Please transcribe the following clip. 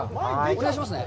お願いしますね。